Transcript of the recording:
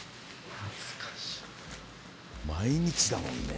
毎日だもんね